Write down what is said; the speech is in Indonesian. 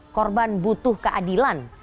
korban butuh keadilan